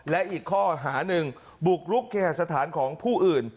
และอีกข้อหาหนึ่งบุกรุกเคหาสถานของผู้อื่น